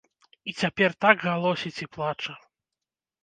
І цяпер так галосіць і плача.